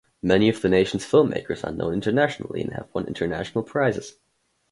Many of the nation's filmmakers are known internationally and have won international prizes.